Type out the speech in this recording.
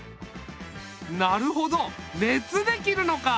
なるほど熱で切るのか！